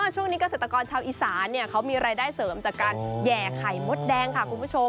ช่วงนี้เกษตรกรชาวอีสานเขามีรายได้เสริมจากการแห่ไข่มดแดงค่ะคุณผู้ชม